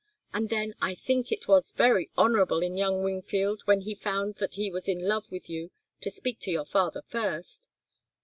And then I think it was very honourable in young Wingfield, when he found that he was in love with you, to speak to your father first."